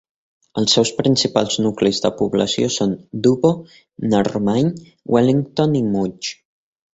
Els seus principals nuclis de població són Dubbo, Narromine, Wellington i Mudgee.